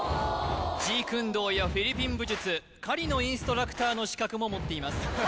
ジークンドーやフィリピン武術カリのインストラクターの資格も持っています